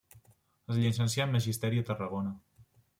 Es llicencià en magisteri a Tarragona.